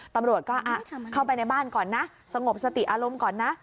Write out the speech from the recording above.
ตำรวจก็เข้าไปในบ้านก่อนนะสงบสติอารมณ์ก่อนนะ